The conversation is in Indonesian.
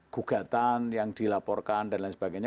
gugatan yang dilaporkan dan lain sebagainya